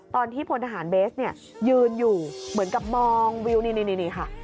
พลทหารเบสเนี่ยยืนอยู่เหมือนกับมองวิวนี่ค่ะ